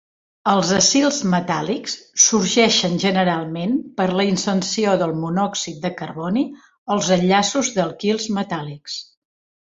Els acils metàl·lics sorgeixen generalment per la inserció de monòxid de carboni als enllaços d'alquils metàl·lics.